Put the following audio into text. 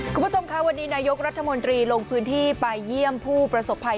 คุณผู้ชมค่ะวันนี้นายกรัฐมนตรีลงพื้นที่ไปเยี่ยมผู้ประสบภัย